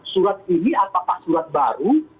surat ini apakah surat baru